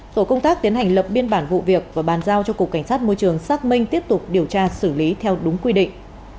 tổ công tác tiến hành lập biên bản vụ việc và bàn giao cho cục cảnh sát môi trường xác minh tiếp tục điều tra xử lý theo đúng quy định